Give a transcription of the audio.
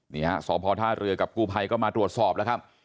เนี่ยศอพท่าเรือกับกูภัยก็มาตรวจสอบนะครับ